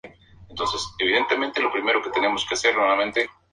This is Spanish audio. Por otro lado, el rumano tiene seis formas distintas de expresar el tiempo futuro.